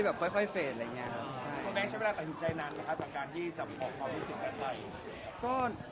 เพราะแบงเช็ปเวลาการอึดใจนั้นประมาณการที่จะบอกความรู้สึกอะไรให้